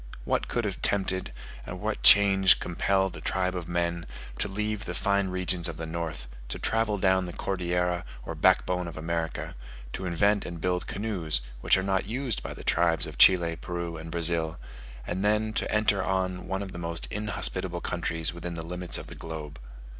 What could have tempted, or what change compelled a tribe of men, to leave the fine regions of the north, to travel down the Cordillera or backbone of America, to invent and build canoes, which are not used by the tribes of Chile, Peru, and Brazil, and then to enter on one of the most inhospitable countries within the limits of the globe?